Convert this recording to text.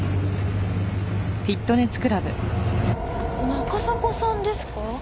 中迫さんですか？